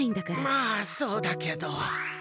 まあそうだけど。